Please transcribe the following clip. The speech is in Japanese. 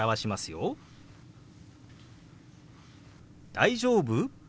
「大丈夫？」。